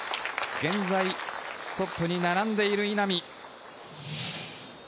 現在、トップに並んでいる稲見。